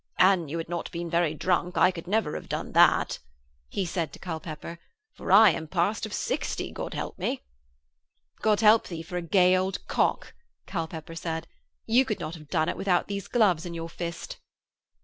'An' you had not been very drunk I could never have done that,' he said to Culpepper, 'for I am passed of sixty, God help me.' 'God help thee for a gay old cock,' Culpepper said. 'You could not have done it without these gloves in your fist.'